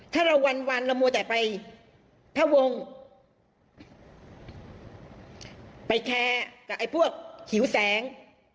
ถ้าเราวันเรามัวแต่ไปพระวงไปแคร์กับไอ้พวกหิวแสง